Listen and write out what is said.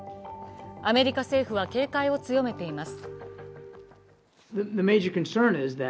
アメリカ政府は警戒を強めています。